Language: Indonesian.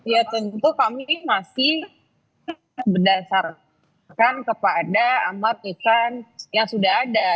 ya tentu kami masih berdasarkan kepada amar ikan yang sudah ada